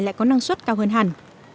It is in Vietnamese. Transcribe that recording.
lại có năng suất cao hơn hẳn